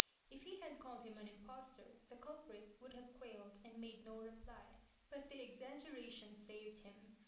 If he had called him an impostor, the culprit would have quailed and made no reply. But the exaggeration saved him.